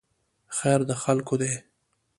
خیر د خلکو دی